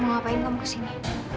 mau ngapain kamu kesini